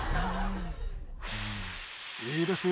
いいですよ